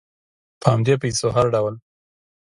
په همدې پیسو هر ډول